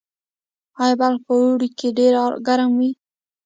آیا بلخ په اوړي کې ډیر ګرم وي؟